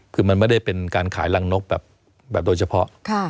คือมันไม่ได้เป็นการขายรังนกแบบโดยเฉพาะ